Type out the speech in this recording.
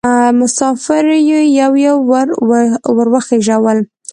مسافر یې یو یو ور وخېژول.